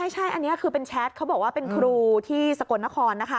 ใช่อันนี้คือเป็นแชทเขาบอกว่าเป็นครูที่สกลนครนะคะ